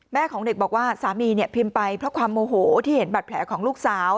ของเด็กบอกว่าสามีเนี่ยพิมพ์ไปเพราะความโมโหที่เห็นบัตรแผลของลูกสาว